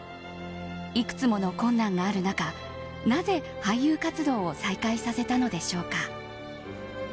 いくつもの困難がある中なぜ俳優活動を再開させたのでしょうか。